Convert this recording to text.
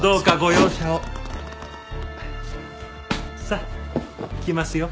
さあ行きますよ。